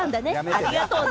ありがとうね。